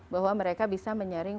bahwa mereka bisa menyaring